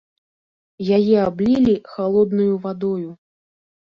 Яе аблілі халоднаю вадою.